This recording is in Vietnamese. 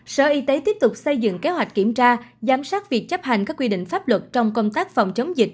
sở y tế tiếp tục xây dựng kế hoạch kiểm tra giám sát việc chấp hành các quy định pháp luật trong công tác phòng chống dịch